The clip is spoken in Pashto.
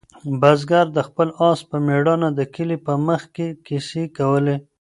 بزګر د خپل آس په مېړانه د کلي په منځ کې کیسې کولې.